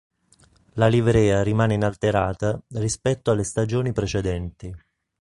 La livrea rimane inalterata rispetto alle stagioni precedenti.